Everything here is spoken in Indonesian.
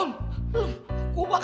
lo gue makasih banget